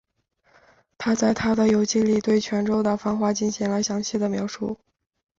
他在他的游记里对泉州的繁华进行了详细的描述。